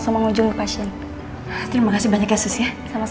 yang barang barang gua sudah sama